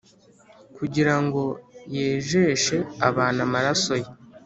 “kugira ngo yejeshe abantu amaraso ye,”